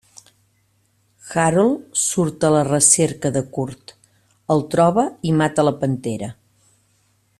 Harold surt a la recerca de Curt, el troba i mata la pantera.